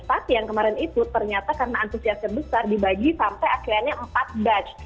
tapi yang kemarin itu ternyata karena antusiasnya besar dibagi sampai akhirnya empat batch